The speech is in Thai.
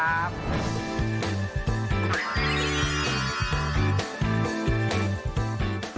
เบอร์โทรที่ร้านนะครับศูนย์เก้าสี่เก้าหนึ่งเก้าแปดแปดสองสองครับ